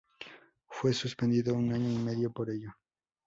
Fue suspendido un año y medio por ello.